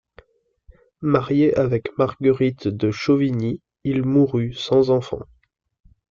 Marié avec Marguerite de Chauvigny, il mourut sans enfant.